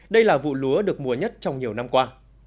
đây là vụ lúa được mùa nhất trong nhiều năm qua